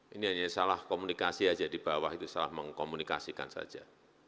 ini hanya salah komunikasi saja di bawah itu salah mengkomunikasikan saja